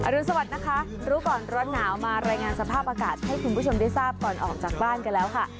รุนสวัสดิ์นะคะรู้ก่อนร้อนหนาวมารายงานสภาพอากาศให้คุณผู้ชมได้ทราบก่อนออกจากบ้านกันแล้วค่ะ